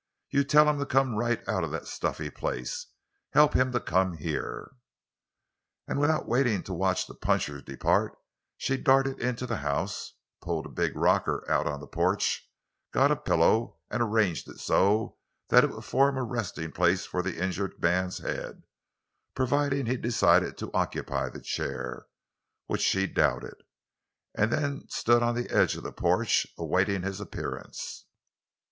You tell him to come right out of that stuffy place! Help him to come here!" And without waiting to watch the puncher depart, she darted into the house, pulled a big rocker out on the porch, got a pillow and arranged it so that it would form a resting place for the injured man's head—providing he decided to occupy the chair, which she doubted—and then stood on the edge of the porch, awaiting his appearance.